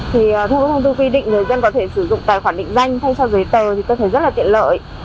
thông tư quy định người dân có thể sử dụng tài khoản định danh thay cho giấy tờ thì tôi thấy rất là tiện lợi